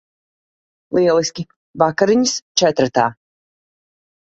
Lieliski. Vakariņas četratā.